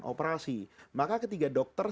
operasi maka ketika dokter